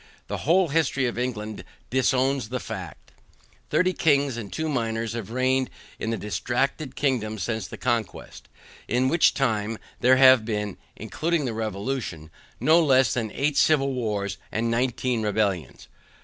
The whole history of England disowns the fact. Thirty kings and two minors have reigned in that distracted kingdom since the conquest, in which time there have been (including the Revolution) no less than eight civil wars and nineteen rebellions.